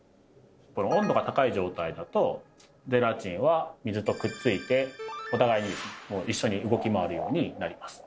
温度が高い状態だとゼラチンは水とくっついてお互いに一緒に動き回るようになります。